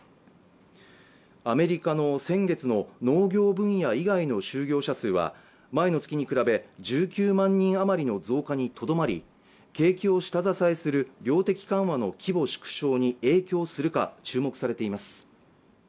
アメリカの先月の農業分野以外の就業者数は前の月に比べ１９万人余りの増加にとどまり景気を下支えする量的緩和の規模縮小に影響するか注目されています